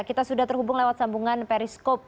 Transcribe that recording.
kita sudah terhubung lewat sambungan periskop